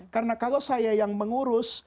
karena kalau saya yang mengurus